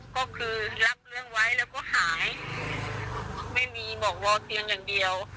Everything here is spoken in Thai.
ก็คือรับเรื่องไว้แล้วก็หายไม่มีบอกรอเตียงอย่างเดียว